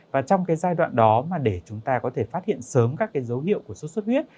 và trong cái giai đoạn đó mà để chúng ta có thể phát hiện sớm các cái dấu hiệu của sốt xuất huyết